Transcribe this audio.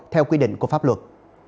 theo quy định của pháp luật